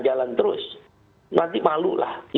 jalan terus nanti malu lah